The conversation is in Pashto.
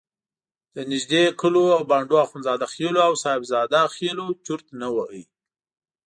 د نږدې کلیو او بانډو اخندزاده خېلو او صاحب زاده خېلو چرت نه وهلو.